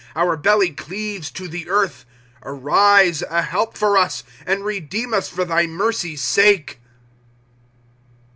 Our belly cleaves to the earth. ^'^ Arise, a help for us, And redeem us for thy mercy's sake.